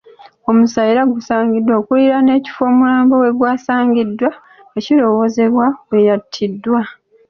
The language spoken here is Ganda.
Omusaayi era gusaangiddwa okuliraana ekifo omulambo we gwasangiddwa nga kirowoozebwa we yattiddwa.